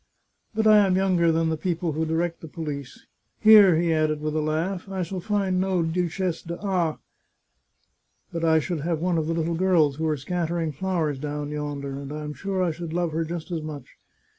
But I am younger than the people who direct the police. Here," he added with a laugh, " I shall find no Duchess d'A , but I should have one of the little girls who are scattering flowers down yonder, and I am sure I should love her just as much.